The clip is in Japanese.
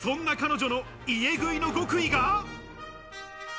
そんな彼女の家食いの極意が。